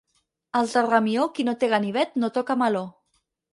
Els de Ramió, qui no té ganivet no toca meló.